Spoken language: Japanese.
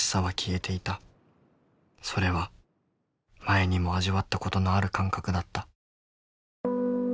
それは前にも味わったことのある感覚だった。